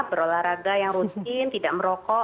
berolahraga yang rutin tidak merokok